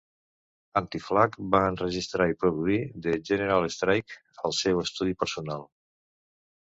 Anti-Flag va enregistrar i produir The General Strike al seu estudi personal.